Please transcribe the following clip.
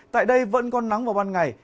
tại đây vẫn còn nắng vào ban ngày